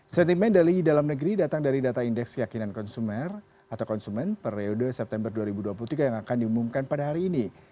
sentimen dari dalam negeri datang dari data indeks keyakinan konsumen atau konsumen periode september dua ribu dua puluh tiga yang akan diumumkan pada hari ini